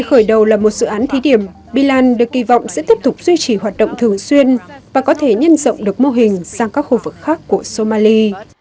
trong dự án thí điểm bilan được kỳ vọng sẽ tiếp tục duy trì hoạt động thường xuyên và có thể nhân rộng được mô hình sang các khu vực khác của somali